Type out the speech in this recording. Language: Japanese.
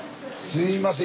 すいません。